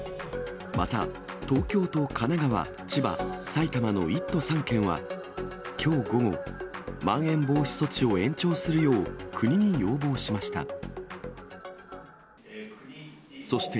また東京と神奈川、千葉、埼玉の１都３県は、きょう午後、まん延防止措置を延長するよう、国に要望しました。